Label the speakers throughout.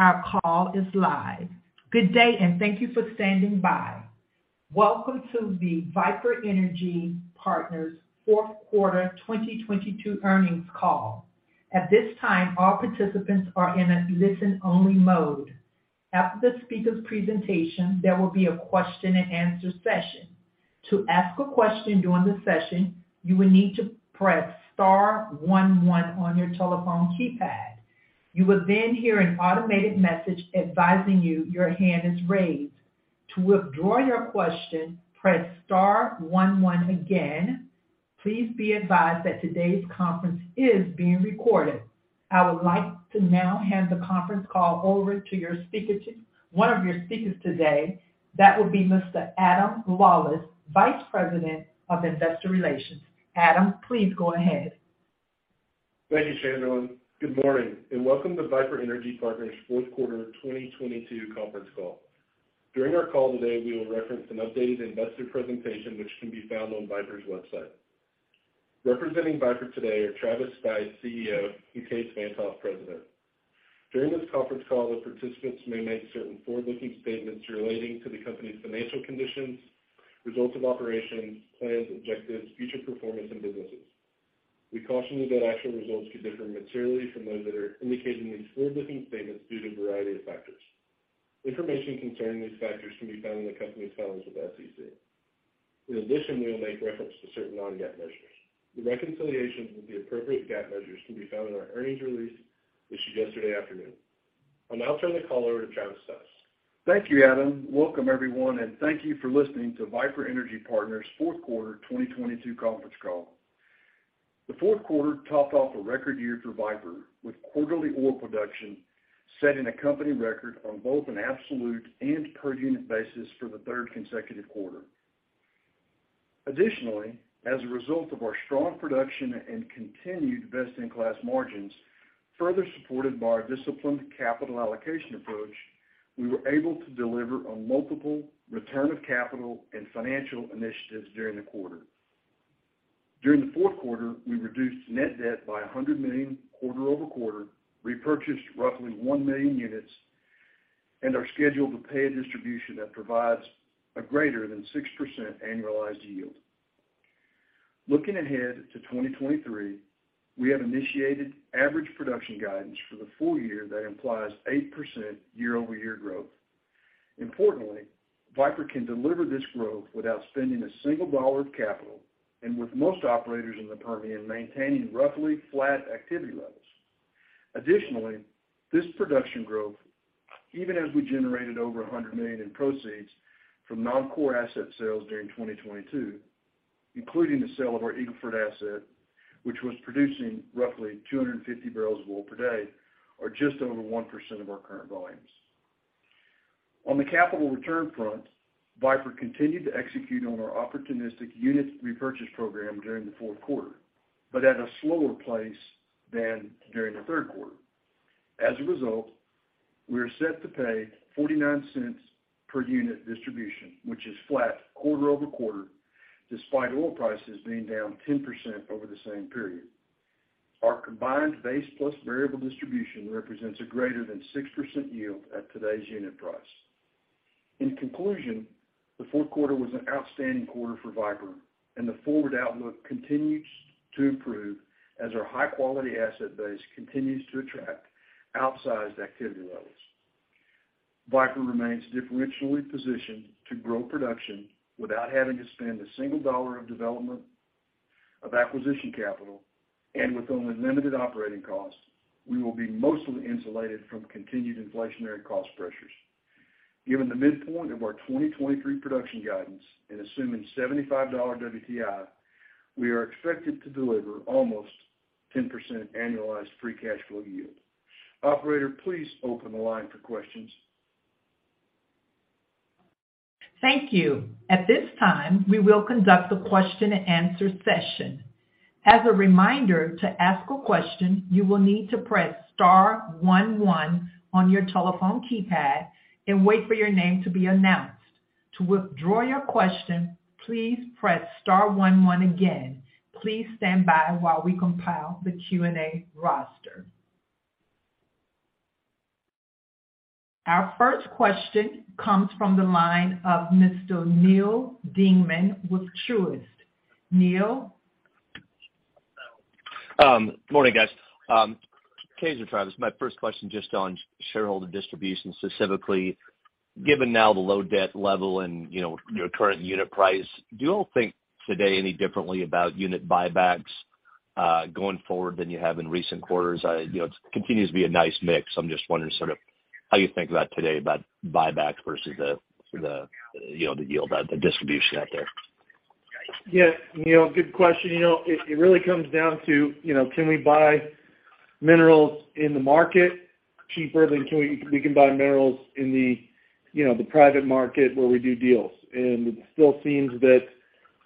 Speaker 1: Our call is live. Good day and thank you for standing by. Welcome to the Viper Energy Partners Q4 2022 earnings call. At this time, all participants are in a listen only mode. After the speaker's presentation, there will be a question and answer session. To ask a question during the session, you will need to press * 1 1 on your telephone keypad. You will hear an automated message advising you your hand is raised. To withdraw your question, press * 1 1 again. Please be advised that today's conference is being recorded. I would like to now hand the conference call over to 1 of your speakers today. That will be Mr. Adam Lawlis, Vice President of Investor Relations. Adam, please go ahead.
Speaker 2: Thank you, Shandrolyn. Good morning and welcome to Viper Energy Partners Q4 2022 conference call. During our call today, we will reference an updated investor presentation which can be found on Viper's website. Representing Viper today are Travis Stice, CEO, and Kaes Van't Hof, President. During this conference call, the participants may make certain forward-looking statements relating to the company's financial conditions, results of operations, plans, objectives, future performance, and businesses. We caution you that actual results could differ materially from those that are indicated in these forward-looking statements due to a variety of factors. Information concerning these factors can be found in the company's filings with SEC. In addition, we will make reference to certain non-GAAP measures. The reconciliations with the appropriate GAAP measures can be found in our earnings release issued yesterday afternoon. I'll now turn the call over to Travis Stice.
Speaker 3: Thank you, Adam. Welcome everyone, thank you for listening to Viper Energy Partners Q4 2022 conference call. The Q4 topped off a record year for Viper, with quarterly oil production setting a company record on both an absolute and per unit basis for the 3rd consecutive quarter. Additionally, as a result of our strong production and continued best in class margins, further supported by our disciplined capital allocation approach, we were able to deliver on multiple return of capital and financial initiatives during the quarter. During the Q4, we reduced net debt by $100 million quarter-over-quarter, repurchased roughly 1 million units, and are scheduled to pay a distribution that provides a greater than 6% annualized yield. Looking ahead to 2023, we have initiated average production guidance for the full year that implies 8% year-over-year growth. Importantly, Viper can deliver this growth without spending a single dollar of capital and with most operators in the Permian maintaining roughly flat activity levels. This production growth, even as we generated over $100 million in proceeds from non-core asset sales during 2022, including the sale of our Eagle Ford asset, which was producing roughly 250 barrels of oil per day, or just over 1% of our current volumes. On the capital return front, Viper continued to execute on our opportunistic unit repurchase program during the Q4, but at a slower place than during the Q3. We are set to pay $0.49 per unit distribution, which is flat quarter-over-quarter, despite oil prices being down 10% over the same period. Our combined base plus variable distribution represents a greater than 6% yield at today's unit price. In conclusion, the Q4 was an outstanding quarter for Viper, and the forward outlook continues to improve as our high quality asset base continues to attract outsized activity levels. Viper remains differentially positioned to grow production without having to spend a single dollar of development of acquisition capital. With only limited operating costs, we will be mostly insulated from continued inflationary cost pressures. Given the midpoint of our 2023 production guidance and assuming $75 WTI, we are expected to deliver almost 10% annualized free cash flow yield. Operator, please open the line for questions.
Speaker 1: Thank you. At this time, we will conduct a question and answer session. As a reminder, to ask a question, you will need to press * 1 1 on your telephone keypad and wait for your name to be announced. To withdraw your question, please press * 1 1 again. Please stand by while we compile the Q&A roster. Our 1st question comes from the line of Mr. Neal Dingmann with Truist. Neal?
Speaker 4: Morning, guys. Kaes or Travis, my 1st question just on shareholder distribution, specifically, given now the low debt level and, you know, your current unit price, do you all think today any differently about unit buybacks going forward than you have in recent quarters? You know, it continues to be a nice mix. I'm just wondering sort of how you think about today about buybacks versus the, you know, the yield, the distribution out there.
Speaker 5: Neal, good question. You know, it really comes down to, you know, can we buy minerals in the market cheaper than we can buy minerals in the, you know, the private market where we do deals? It still seems that,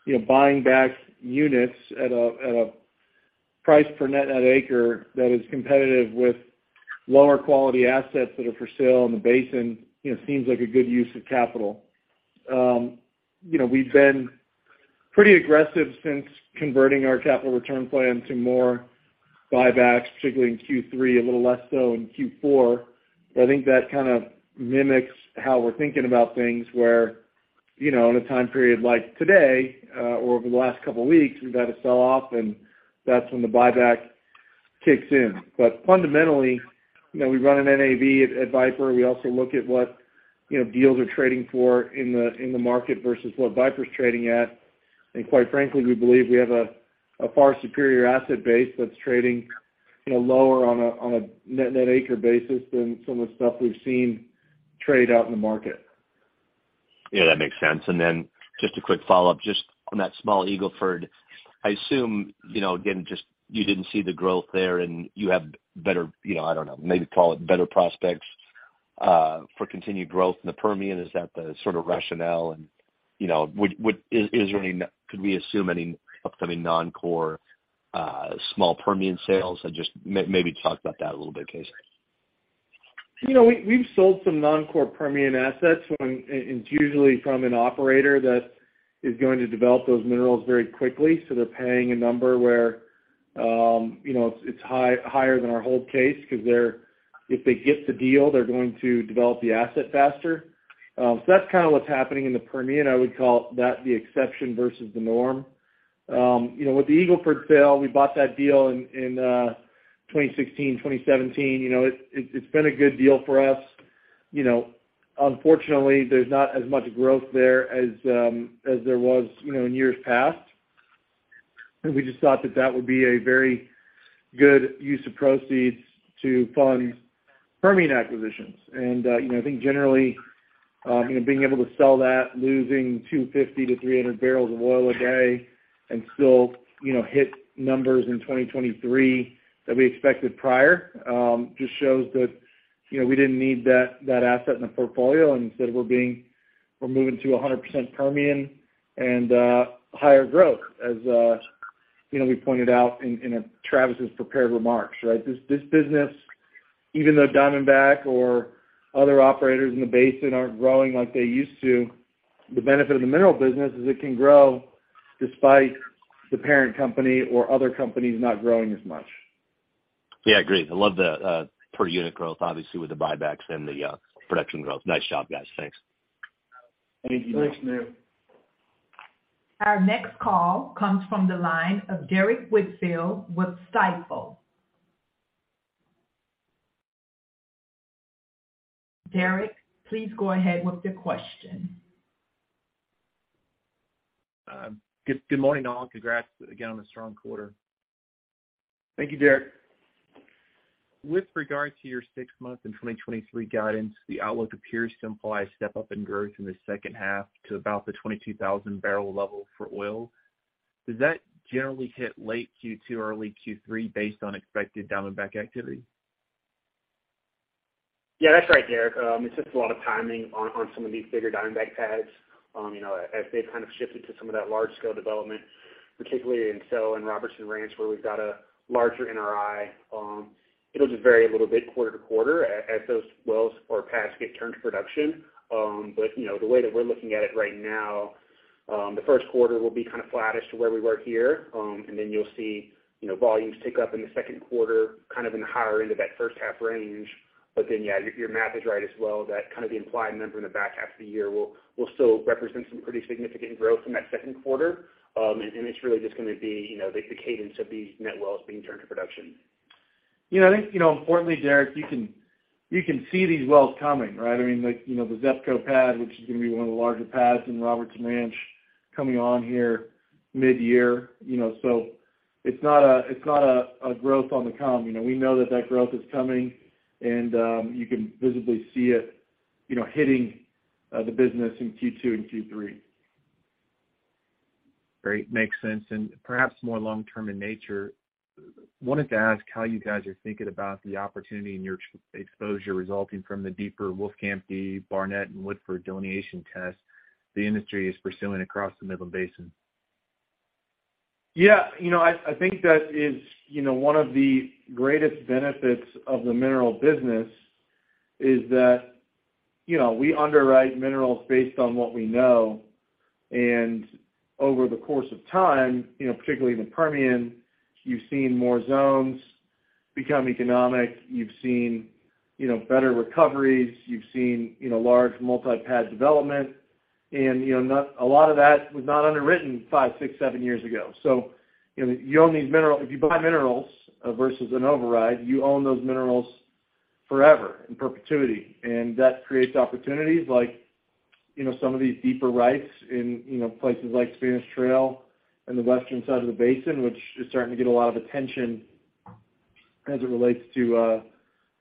Speaker 5: you know, buying back units at a price per net acre that is competitive with lower quality assets that are for sale in the basin, you know, seems like a good use of capital. You know, we've been Pretty aggressive since converting our capital return plan to more buybacks, particularly in Q3, a little less so in Q4. I think that kind of mimics how we're thinking about things where, you know, in a time period like today, or over the last couple weeks, we've had a sell-off, and that's when the buyback kicks in. Fundamentally, you know, we run an NAV at Viper. We also look at what, you know, deals are trading for in the market versus what Viper's trading at. Quite frankly, we believe we have a far superior asset base that's trading, you know, lower on a net net acre basis than some of the stuff we've seen trade out in the market.
Speaker 4: That makes sense. Then just a quick follow-up, just on that small Eagle Ford, I assume, you know, again, just you didn't see the growth there and you have better, you know, I don't know, maybe call it better prospects for continued growth in the Permian. Is that the sort of rationale? You know, would Is there any Could we assume any upcoming non-core small Permian sales? Just maybe talk about that a little bit, Casey.
Speaker 5: You know, we've sold some non-core Permian assets and it's usually from an operator that is going to develop those minerals very quickly, so they're paying a number where, you know, it's higher than our hold case because they're. If they get the deal, they're going to develop the asset faster. That's kind of what's happening in the Permian. I would call that the exception versus the norm. You know, with the Eagle Ford sale, we bought that deal in 2016, 2017. You know, it's been a good deal for us. You know, unfortunately, there's not as much growth there as there was, you know, in years past. We just thought that that would be a very good use of proceeds to fund Permian acquisitions. you know, I think generally, you know, being able to sell that, losing 250-300 barrels of oil a day and still, you know, hit numbers in 2023 that we expected prior, just shows that, you know, we didn't need that asset in the portfolio, and instead we're moving to 100% Permian and higher growth as, you know, we pointed out in Travis Stice's prepared remarks, right? This business, even though Diamondback or other operators in the basin aren't growing like they used to, the benefit of the mineral business is it can grow despite the parent company or other companies not growing as much.
Speaker 4: Agreed. I love the per unit growth, obviously, with the buybacks and the production growth. Nice job, guys. Thanks.
Speaker 5: Thank you.
Speaker 3: Thanks, Nick.
Speaker 1: Our next call comes from the line of Derrick Whitfield with Stifel. Derek, please go ahead with your question.
Speaker 6: Good morning, all. Congrats again on a strong quarter.
Speaker 5: Thank you, Derrick.
Speaker 6: With regard to your 6-month and 2023 guidance, the outlook appears to imply a step-up in growth in the H2 to about the 22,000 barrel level for oil. Does that generally hit late Q2 or early Q3 based on expected Diamondback activity?
Speaker 5: That's right, Derrick. It's just a lot of timing on some of these bigger Diamondback pads, you know, as they've kind of shifted to some of that large scale development, particularly in SEL and Robertson Ranch, where we've got a larger NRI. It'll just vary a little bit quarter-to-quarter as those wells or pads get turned to production. But, you know, the way that we're looking at it right now, the Q1 will be kind of flattish to where we were here, and then you'll see, you know, volumes tick up in the Q2, kind of in the higher end of that H1 range. Your math is right as well. That kind of the implied number in the back half of the year will still represent some pretty significant growth from that Q2. It's really just going to be, you know, the cadence of these net wells being turned to production. You know, I think, you know, importantly, Derrick Whitfield, you can see these wells coming, right? I mean, like, you know, the XEPCO pad, which is gonna be 1 of the larger pads in Robertson Ranch coming on here midyear. It's not a growth on the come. You know, we know that that growth is coming and, you can visibly see it, you know, hitting the business in Q2 and Q3.
Speaker 6: Great. Makes sense. Perhaps more long term in nature, wanted to ask how you guys are thinking about the opportunity and your exposure resulting from the deeper Wolfcamp D, Barnett, and Woodford delineation tests the industry is pursuing across the Midland Basin.
Speaker 5: You know, I think that is, you know, 1 of the greatest benefits of the mineral business is that, you know, we underwrite minerals based on what we know. Over the course of time, you know, particularly in the Permian, you've seen more zones become economic. You've seen, you know, better recoveries. You've seen, you know, large multi-pad development. You know, a lot of that was not underwritten 5, 6, 7 years ago. You know, you own these minerals if you buy minerals versus an override, you own those minerals forever in perpetuity. That creates opportunities like, you know, some of these deeper rights in, you know, places like Spanish Trail and the western side of the basin, which is starting to get a lot of attention as it relates to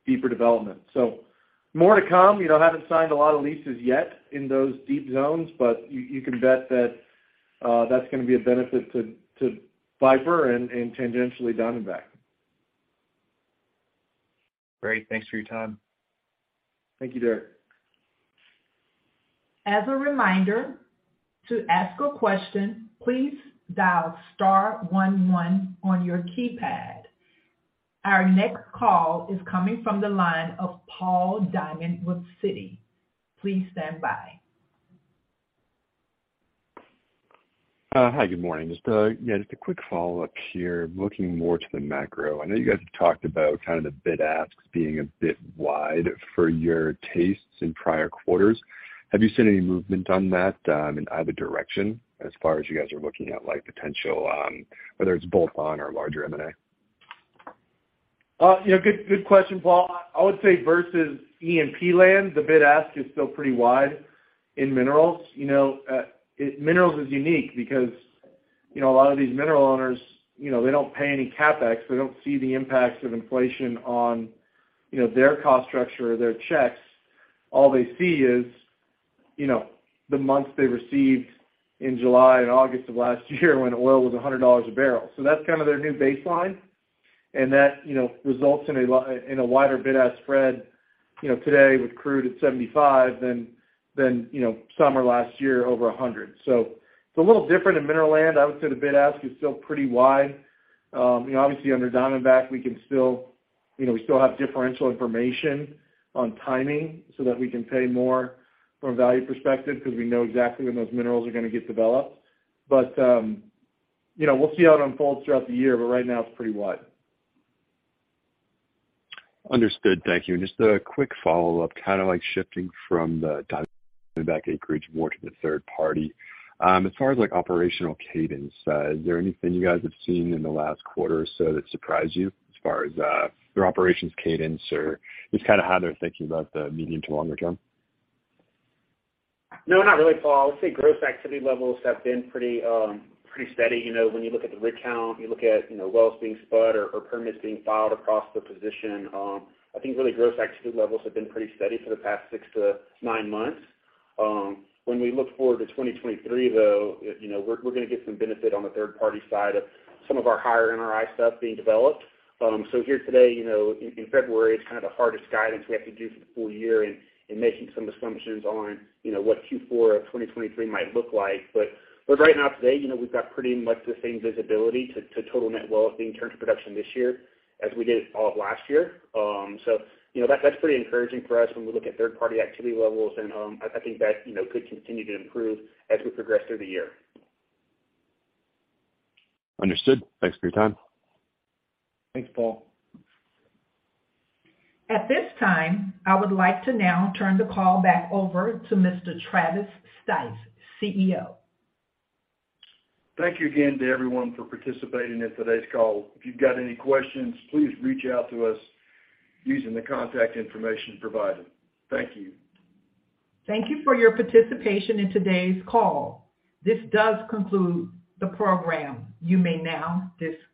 Speaker 5: deeper development. More to come. You know, haven't signed a lot of leases yet in those deep zones, but you can bet that's gonna be a benefit to Viper and tangentially Diamondback.
Speaker 6: Great. Thanks for your time.
Speaker 5: Thank you, Derrick.
Speaker 1: As a reminder, to ask a question, please dial * 1 1 on your keypad. Our next call is coming from the line of Paul Diamond with Citi. Please stand by.
Speaker 7: Hi, good morning. Just a quick follow-up here. Looking more to the macro, I know you guys have talked about kind of the bid-asks being a bit wide for your tastes in prior quarters. Have you seen any movement on that, in either direction as far as you guys are looking at, like, potential, whether it's bolt-on or larger M&A?
Speaker 5: Good question, Paul. I would say versus E&P land, the bid-ask is still pretty wide in minerals. You know, minerals is unique because, you know, a lot of these mineral owners, you know, they don't pay any CapEx. They don't see the impacts of inflation on, you know, their cost structure or their checks. All they see is, you know, the months they received in July and August of last year when oil was $100 a barrel. That's kind of their new baseline. That, you know, results in a wider bid-ask spread, you know, today with crude at 75 than, you know, summer last year over 100. It's a little different in mineral land. I would say the bid-ask is still pretty wide. You know, obviously under Diamondback we can still, you know, we still have differential information on timing so that we can pay more from a value perspective because we know exactly when those minerals are gonna get developed. You know, we'll see how it unfolds throughout the year, but right now it's pretty wide.
Speaker 7: Understood. Thank you. Just a quick follow-up, kinda like shifting from the Diamondback acreage more to the third party. As far as, like, operational cadence, is there anything you guys have seen in the last quarter or so that surprised you as far as, their operations cadence or just kinda how they're thinking about the medium to longer term?
Speaker 5: No, not really, Paul. I'd say growth activity levels have been pretty steady. You know, when you look at the rig count, you look at, you know, wells being spud or permits being filed across the position, I think really growth activity levels have been pretty steady for the past 6 to 9 months. When we look forward to 2023 though, you know, we're gonna get some benefit on the third party side of some of our higher NRI stuff being developed. Here today, you know, in February, it's kind of the hardest guidance we have to do for the full year in making some assumptions on, you know, what Q4 of 2023 might look like. Right now today, you know, we've got pretty much the same visibility to total net wells being turned to production this year as we did all of last year. You know, that's pretty encouraging for us when we look at third party activity levels. I think that, you know, could continue to improve as we progress through the year.
Speaker 7: Understood. Thanks for your time.
Speaker 5: Thanks, Paul.
Speaker 1: At this time, I would like to now turn the call back over to Mr. Travis Stice, CEO.
Speaker 3: Thank you again to everyone for participating in today's call. If you've got any questions, please reach out to us using the contact information provided. Thank you.
Speaker 1: Thank you for your participation in today's call. This does conclude the program. You may now disconnect.